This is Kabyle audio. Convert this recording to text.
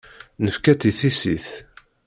Nefka-tt i tissit.